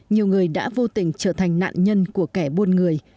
nhiều người đã vô tình trở thành nạn nhân của kẻ buôn người